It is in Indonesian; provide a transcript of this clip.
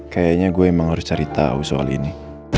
kayaknya gue emang harus cari tahu soal ini